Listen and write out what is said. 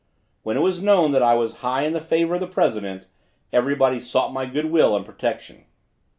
When it was known that I was high in the favor of the president, everybody sought my good will and protection.